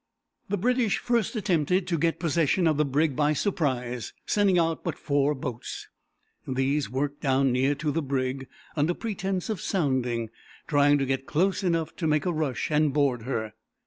The British first attempted to get possession of the brig by surprise, sending out but four boats. These worked down near to the brig, under pretense of sounding, trying to get close enough to make a rush and board her.